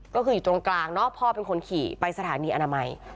ก็คืออยู่ตรงกลางเนาะพ่อเป็นคนขี่ไปสถานีอนามัย